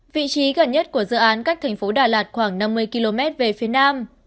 vị trí gần nhất của dự án cách thành phố đà lạt khoảng năm mươi km về phía nam